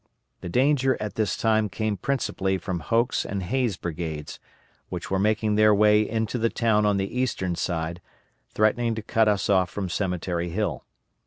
The danger at this time came principally from Hoke's and Hays' brigades, which were making their way into the town on the eastern side, threatening to cut us off from Cemetery Hill.